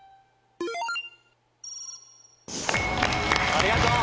ありがとう！